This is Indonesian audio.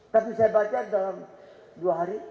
tapi saya baca dalam dua hari